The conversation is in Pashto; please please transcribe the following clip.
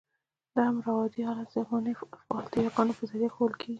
د امر او عادي حالت زماني افعال د يګانو په ذریعه ښوول کېږي.